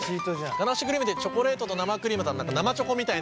ガナッシュクリームってチョコレートと生クリームと生チョコみたいな。